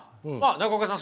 中岡さん